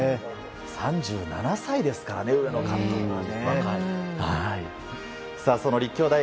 ３７歳ですからね上野監督は。